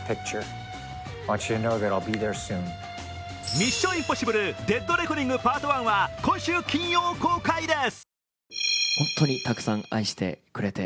「ミッション：インポッシブル／デッドレコニングＰＡＲＴＯＮＥ」は今週金曜公開です。